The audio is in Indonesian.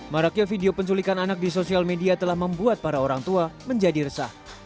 maraknya video penculikan anak di sosial media telah membuat para orang tua menjadi resah